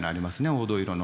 黄土色の。